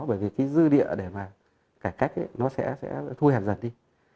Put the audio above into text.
bởi vì cái dư địa để mà cải cách nó sẽ thu hẹn dần đi